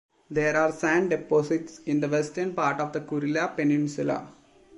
There are sand deposits in the western part of the Kurila peninsula.